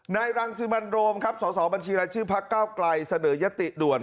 ในรังสือบัญโรมครับส่อบัญชีรายชื่อพระเก้ากลายเสนอยติด่วน